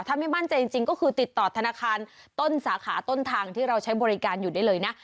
ถ้าไม่มั่นใจจริงก็คือติดต่อธนาคารต้นสาขาต้นทางที่เราใช้บริการอยู่ได้เลยนะ